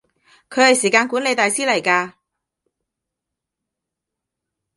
佢係時間管理大師嚟㗎